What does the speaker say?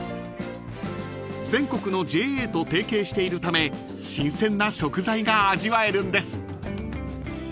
［全国のＪＡと提携しているため新鮮な食材が味わえるんです］